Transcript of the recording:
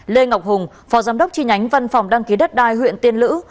lê ngọc hùng phó giám đốc chi nhánh văn phòng đăng ký đất đai huyện tiên lữ